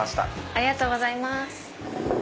ありがとうございます。